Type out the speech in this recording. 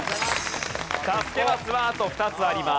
助けマスはあと２つあります。